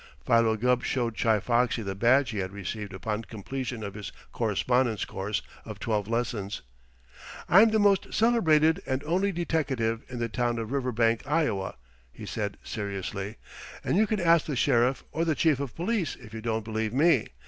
Philo Gubb showed Chi Foxy the badge he had received upon completion of his correspondence course of twelve lessons. "I'm the most celebrated and only deteckative in the town of Riverbank, Iowa," he said seriously, "and you can ask the Sheriff or the Chief of Police if you don't believe me.